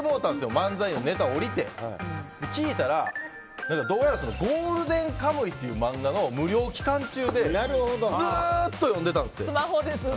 漫才のネタ降りて聞いたらどうやら「ゴールデンカムイ」っていう漫画の無料期間中でずっと読んでたんですって。